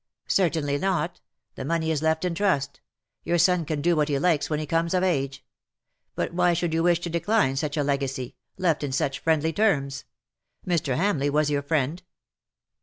" Certainly not. The money is left in trust. Your son can do what he likes when he comes of age. But why should you wish to decline such a legacy — left in such friendly terms? Mr. Hamleigh was your friend.